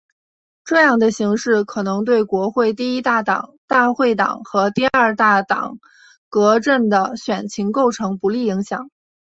这样的形势可能对国会第一大党大会党和第二大党革阵的选情构成不利影响。